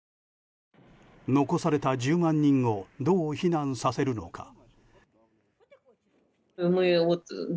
残された１０万人をどう避難させるのか。